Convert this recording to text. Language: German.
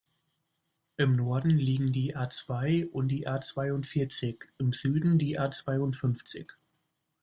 Im Norden liegen die A-zwei und die A-zweiundvierzig, im Süden die A-zweiundfünfzig.